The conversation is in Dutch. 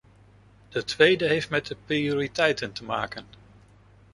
De tweede heeft met de prioriteiten te maken.